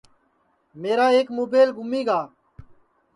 میرا ایک مُبیل گُمی گا